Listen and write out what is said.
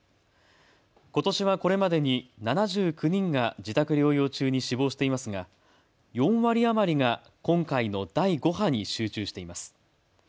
ことしはこれまでに７９人が自宅療養中に死亡していますが４割余りが今回の第５波に集中しています。